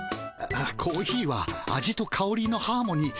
コーヒーは味とかおりのハーモニー。